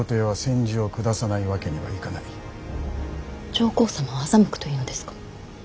上皇様を欺くというのですか。